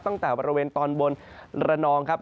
ตั้งแต่บริเวณตอนบนระนองครับ